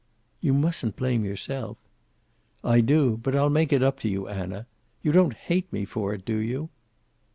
"You mustn't blame yourself." "I do. But I'll make it up to you, Anna. You don't hate me for it, do you?"